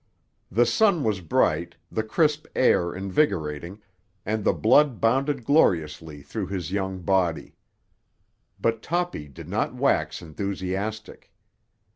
The sun was bright, the crisp air invigorating, and the blood bounded gloriously through his young body. But Toppy did not wax enthusiastic.